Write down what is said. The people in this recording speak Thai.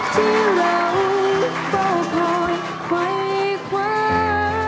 ที่เราเป้าคอยไขว้ความ